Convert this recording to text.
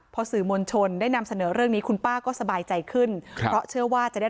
พอสื่อมวลชนได้นำเสนอเรื่องนี้คุณป้าก็สบายใจขึ้นครับเพราะเชื่อว่าจะได้